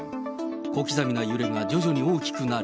小刻みな揺れが徐々に大きくなり。